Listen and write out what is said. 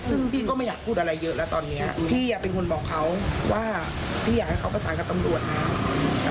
ซึ่งพี่ก็ไม่อยากพูดอะไรเยอะแล้วตอนนี้พี่เป็นคนบอกเขาว่าพี่อยากให้เขาประสานกับตำรวจนะครับ